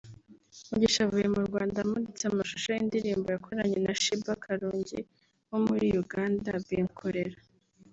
Mugisha avuye mu Rwanda amuritse amushusho y’indirimbo yakoranye na Sheebah Karungi wo muri Uganda ‘Binkolera’